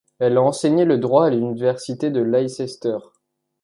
Elle a enseigné le droit à l'université de Leicester.